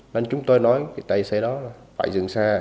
nên chúng tôi nói với tài xế đó là phải dừng xe